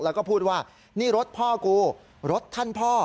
แล้วก็พูดว่านี่รถพ่อกูรถท่านพ่อ